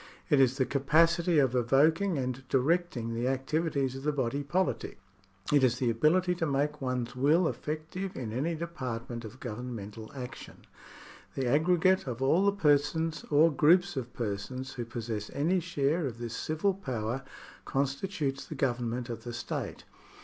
It is the capacity of evoking and directing the activities of the body politic. It is the ability to make one's will effective in any department of governmental action. The aggregate of all the persons or groups of persons who possess any share of this civil power constitutes the Government of the state.